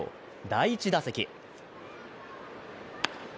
第１打席。